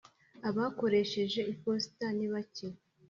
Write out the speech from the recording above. Abakoresheje iposita nibake.